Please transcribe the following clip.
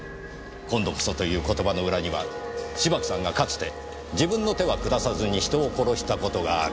「今度こそ」という言葉の裏には芝木さんがかつて自分の手は下さずに人を殺した事がある。